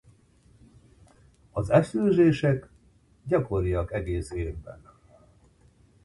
Az esőzések gyakoriak egész évben.